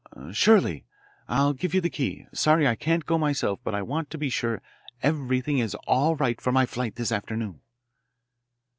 "Surely. I'll give you the key. Sorry I can't go myself, but I want to be sure everything is all right for my flight this afternoon."